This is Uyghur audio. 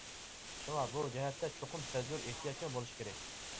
شۇڭا بۇ جەھەتتە چوقۇم سەزگۈر، ئېھتىياتچان بولۇش كېرەك.